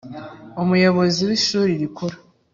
Umuyobozi w ishuri Rikuru